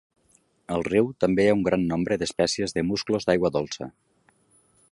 Al riu també hi ha un gran nombre d'espècies de musclos d'aigua dolça.